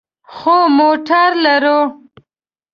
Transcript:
خو موټر لرو